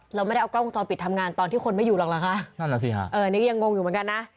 เราไม่ได้เอากล้องวงจรปิดทำงานตอนที่คนไม่อยู่หรอกเหรอคะนั่นแหละสิฮะเออนี่ก็ยังงงอยู่เหมือนกันนะ